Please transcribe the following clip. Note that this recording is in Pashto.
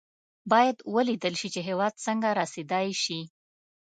باید ولېدل شي چې هېواد څنګه رسېدای شي.